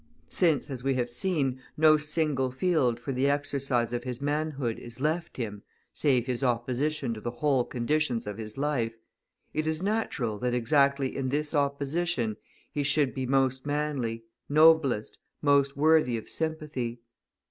Since, as we have seen, no single field for the exercise of his manhood is left him, save his opposition to the whole conditions of his life, it is natural that exactly in this opposition he should be most manly, noblest, most worthy of sympathy.